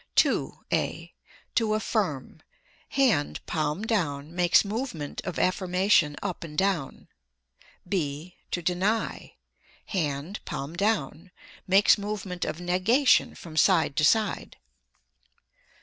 2. (a) To affirm: hand, palm down, makes movement of affirmation up and down; (b) to deny: hand, palm down, makes movement of negation from side to side.